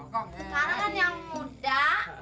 karna kan yang muda